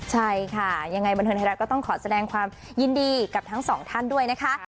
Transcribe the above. ใช่ค่ะยังไงบันเทิงไทยรัฐก็ต้องขอแสดงความยินดีกับทั้งสองท่านด้วยนะคะ